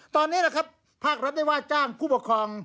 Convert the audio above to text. ตอนนี้นะครับภาครัฐได้ว่าจ้างผู้ปกครอง